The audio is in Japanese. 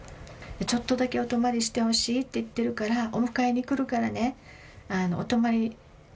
「ちょっとだけお泊まりしてほしいって言ってるからお迎えに来るからねお泊まりお泊まりしてね」って。